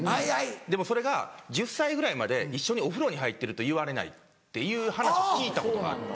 でもそれが「１０歳ぐらいまで一緒にお風呂に入ってると言われない」っていう話を聞いたことがあって。